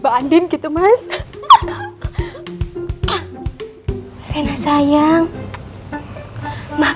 bahkan ternyata ga suka secondo maha